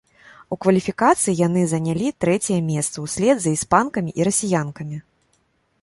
У кваліфікацыі яны занялі трэцяе месца ўслед за іспанкамі і расіянкамі.